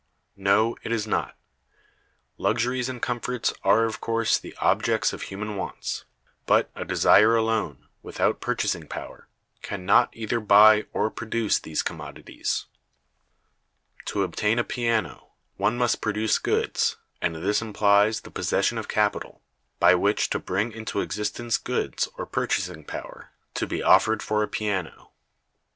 No, it is not. Luxuries and comforts are of course the objects of human wants; but a desire alone, without purchasing power, can not either buy or produce these commodities. To obtain a piano, one must produce goods, and this implies the possession of capital, by which to bring into existence goods, or purchasing power, to be offered for a piano.